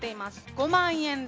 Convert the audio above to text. ５万円で。